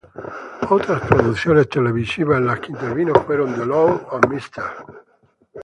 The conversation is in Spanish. Otras producciones televisivas en las que intervino fueron "The Law and Mr.